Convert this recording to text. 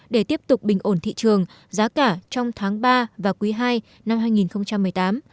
để tiếp tục bình ổn thị trường giá cả trong tháng ba và quý ii năm hai nghìn một mươi tám